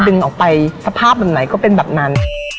ดึงออกไปสภาพแบบไหนก็เป็นแบบนั้น